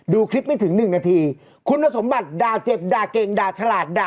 ดูคลิปไม่ถึง๑นาทีคุณสมบัติด่าเจ็บด่าเก่งด่าฉลาดด่า